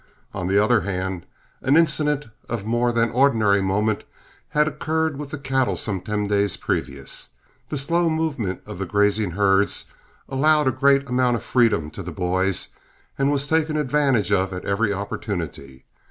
On the other hand, an incident of more than ordinary moment had occurred with the cattle some ten days previous. The slow movement of the grazing herds allowed a great amount of freedom to the boys and was taken advantage of at every opportunity.